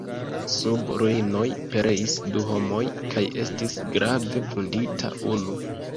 Sub ruinoj pereis du homoj kaj estis grave vundita unu.